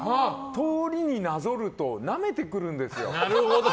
とおりになぞるとなめてくるんです。